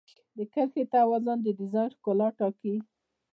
د کرښې توازن د ډیزاین ښکلا ټاکي.